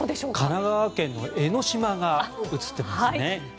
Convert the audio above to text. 神奈川県の江の島が映ってますね。